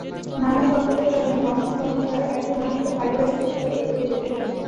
নানা সংকটের কারণে বংশপরম্পরায় একজন মানুষকে পারিবারিক পেশাতেই থেকে যেতে হচ্ছে।